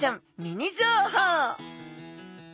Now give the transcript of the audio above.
ミニ情報